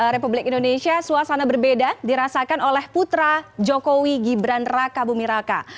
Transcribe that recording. republik indonesia suasana berbeda dirasakan oleh putra jokowi gibran raka bumiraka